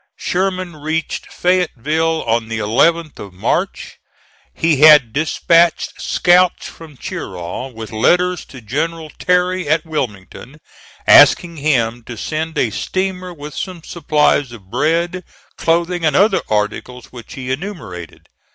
Sherman reached Fayetteville on the 11th of March. He had dispatched scouts from Cheraw with letters to General Terry, at Wilmington, asking him to send a steamer with some supplies of bread, clothing and other articles which he enumerated.